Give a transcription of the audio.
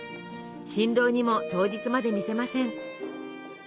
新郎にも当日まで見せません。